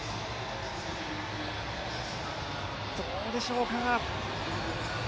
どうでしょうか？